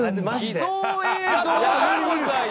秘蔵映像が。